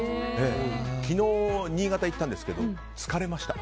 昨日、新潟行ったんですけど疲れました。